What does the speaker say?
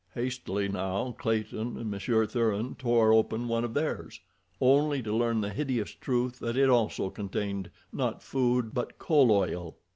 Hastily now Clayton and Monsieur Thuran tore open one of theirs, only to learn the hideous truth that it also contained, not food, but coal oil.